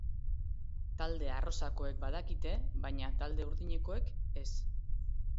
Talde arrosakoek badakite, baina talde urdinekoek ez.